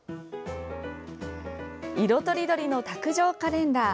色とりどりの卓上カレンダー。